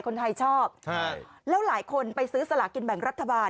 คนไทยชอบใช่แล้วหลายคนไปซื้อสลากินแบ่งรัฐบาล